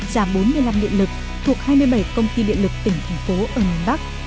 giảm bốn mươi năm điện lực thuộc hai mươi bảy công ty điện lực tỉnh thành phố ở miền bắc